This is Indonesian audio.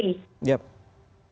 itu secara mudah